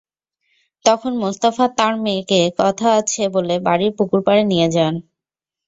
তখন মোস্তফা তাঁর মেয়েকে কথা আছে বলে বাড়ির পুকুরপাড়ে নিয়ে যান।